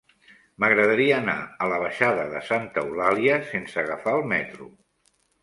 M'agradaria anar a la baixada de Santa Eulàlia sense agafar el metro.